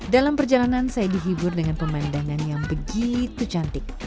dalam perjalanan saya dihibur dengan pemandangan yang begitu cantik